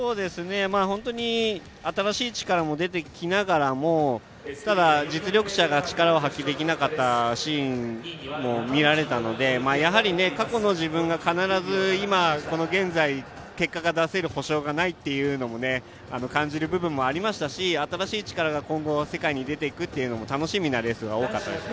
本当に新しい力も出てきながら実力者が力を発揮できなかったシーンも見られたのでやはり、過去の自分が必ず今、この現在結果が出せる保証がないことも感じる部分もあったし新しい力が今後世界に出て行くのも楽しみなレースが多かったです。